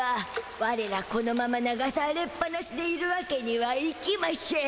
ワレらこのまま流されっぱなしでいるわけにはいきましぇん。